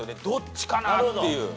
どっちかなっていう。